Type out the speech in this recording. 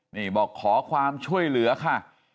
นี่บอกขอความช่วยเหลือค่ะ